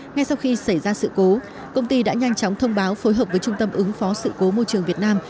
ngay sau khi xảy ra sự cố công ty đã nhanh chóng thông báo phối hợp với trung tâm ứng phó sự cố môi trường việt nam